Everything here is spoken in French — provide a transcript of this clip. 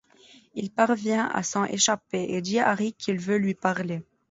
Il parvient à s'en échapper et dit à Rick qu'il veut lui parler.